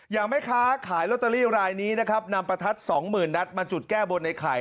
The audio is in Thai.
อย่างไหมคะขายลอตเตอรี่รายนี้นะครับนำประทัดสองหมื่นนัดมาจุดแก้บนไอ้ไข่